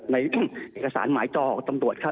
ในด้วยเอกสารหมายจอจำนวดค่ะ